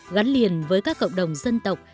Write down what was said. gắn liền với các cộng đồng dân tộc